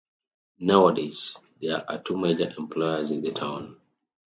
Nowadays, there are two major employers in the town.